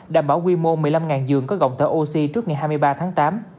đảm bảo quy mô một mươi năm giường có gọng thở oxy trước ngày hai mươi ba tháng tám